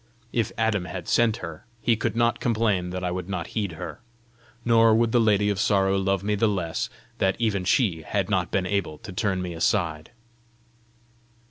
If Adam had sent her, he could not complain that I would not heed her! Nor would the Lady of Sorrow love me the less that even she had not been able to turn me aside!